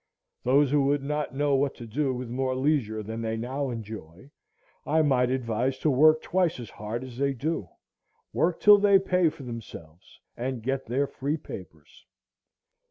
Those who would not know what to do with more leisure than they now enjoy, I might advise to work twice as hard as they do,—work till they pay for themselves, and get their free papers.